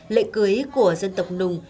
lễ cưới của dân tộc nùng